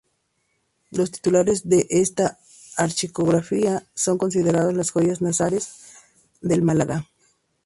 Los titulares de esta archicofradía son considerados las joyas nazarenas de Málaga.